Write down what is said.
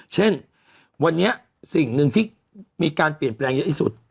เช่นวันนี้สิ่งหนึ่งที่มีการเปลี่ยนแปลงเยอะที่สุด